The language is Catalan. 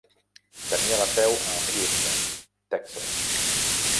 Tenia la seu a Houston, Texas.